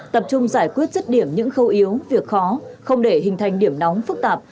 tập trung giải quyết rứt điểm những khâu yếu việc khó không để hình thành điểm nóng phức tạp